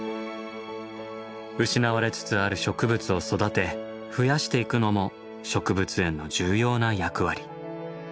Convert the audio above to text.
失われつつある植物を育て増やしていくのも植物園の重要な役割。